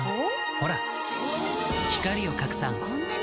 ほら光を拡散こんなに！